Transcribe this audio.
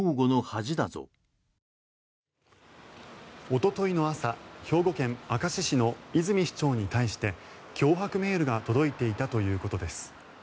おとといの朝兵庫県明石市の泉市長に対して脅迫メールが届いていたということです。